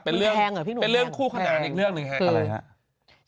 เป็นเรื่องคู่ขนาดอีกเรื่องหนึ่งครับ